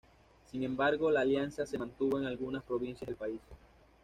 Sin embargo la alianza se mantuvo en algunas provincias del país.